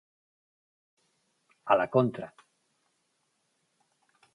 A la contra.